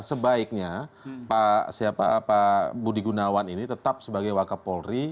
sebaiknya pak budi gunawan ini tetap sebagai wakaf polri